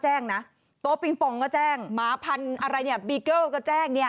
แจ้งนะตัวปิงปองก็แจ้งหมาพันธุ์อะไรเนี่ยบีเกิลก็แจ้งเนี่ย